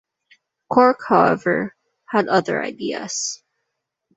Cork, however, had other ideas.